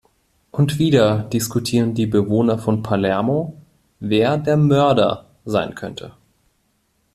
Und wieder diskutieren die Bewohner von Palermo, wer der Mörder sein könnte.